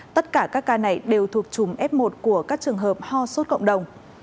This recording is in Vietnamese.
tất cả các ca này đều thuộc chùm f một của các trường hợp ho sốt cộng đồng